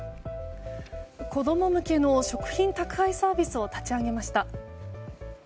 子供向けの食品宅配サービスを立ち上げました。